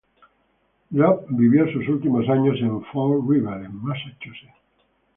Robb vivió sus últimos años en Fall River, en Massachusetts.